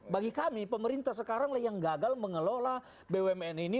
bagi kami pemerintah sekarang yang gagal mengelola bumn ini